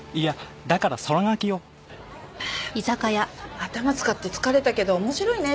頭使って疲れたけど面白いね